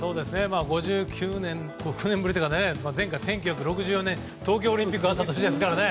５９年ぶりというと前回は１９６４年で東京オリンピックがあった年ですからね。